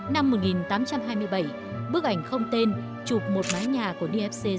năm một nghìn tám trăm hai mươi bảy bức ảnh không tên chụp một mái nhà của nancy lui hoiele